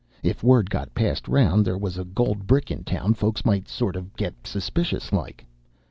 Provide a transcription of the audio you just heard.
If word got passed around there was a gold brick in town, folks might sort of get suspicious like.